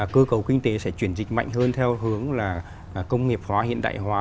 cơ cầu kinh tế sẽ chuyển dịch mạnh hơn theo hướng là công nghiệp hóa hiện đại hóa